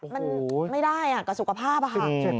มันไม่ได้กับสุขภาพค่ะ